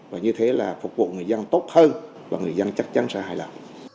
và như thế là phục vụ người dân tốt hơn và người dân chắc chắn sẽ hài lòng